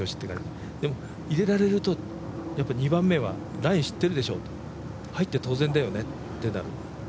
でも入れられると２番目はライン知ってるでしょ、入って当然だよねってなる。